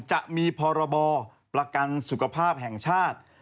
จะมีพรบประกันสุขภาพแห่งชาติ